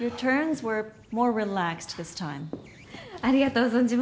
ありがとう存じます。